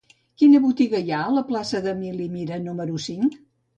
Quina botiga hi ha a la plaça d'Emili Mira número cinc?